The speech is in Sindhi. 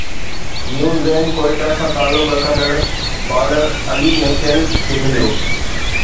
نيو زين ڪوئيٽا سان تعلق رکندڙ بالر علي ميڪيل کي مليو